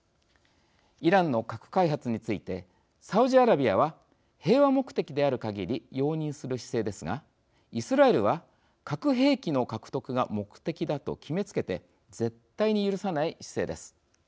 イランの核開発についてサウジアラビアは平和目的であるかぎり容認する姿勢ですがイスラエルは核兵器の獲得が目的だと決めつけて絶対に許さない姿勢です。